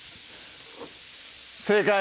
正解！